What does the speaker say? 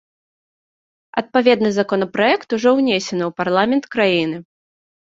Адпаведны законапраект ўжо ўнесены у парламент краіны.